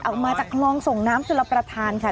ออกมาจากคลองส่งน้ำจุลประธานค่ะ